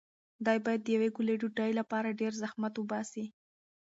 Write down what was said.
دی باید د یوې ګولې ډوډۍ لپاره ډېر زحمت وباسي.